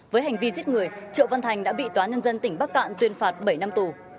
với hành vi giết người triệu văn thành đã bị tòa nhân dân tỉnh bắc cạn tuyên phạt bảy năm tù